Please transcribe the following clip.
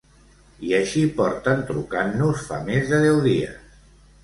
I així porten trucant-nos fa més de deu dies.